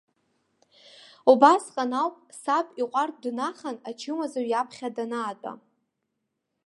Убасҟан ауп, саб, иҟәардә днахан, ачымазаҩ иаԥхьа данаатәа.